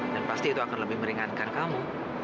dan pasti itu akan lebih meringankan kamu